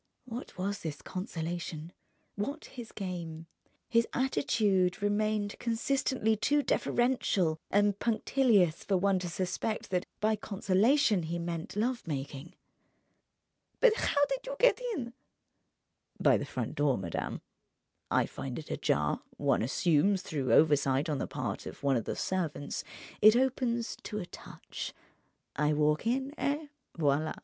What was this consolation? What his game? His attitude remained consistently too deferential and punctilious for one to suspect that by consolation he meant love making. "But how did you get in?" "By the front door, madame. I find it ajar—one assumes, through oversight on the part of one of the servants—it opens to a touch, I walk in—et voila!"